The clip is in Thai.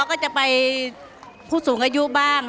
ก็จะไปผู้สูงอายุบ้าง